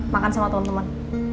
makan sama temen temen